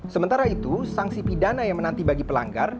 sementara itu sanksi pidana yang menanti bagi pelanggar